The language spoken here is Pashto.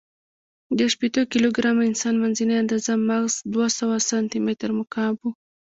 د شپېتو کیلو ګرامه انسان، منځنۍ آندازه مغز دوهسوه سانتي متر مکعب و.